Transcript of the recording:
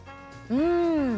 うん。